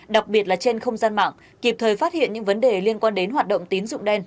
đặc biệt là trên không gian mạng kịp thời phát hiện những vấn đề liên quan đến hoạt động tín dụng đen